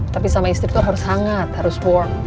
tapi sama istri tuh harus hangat harus warm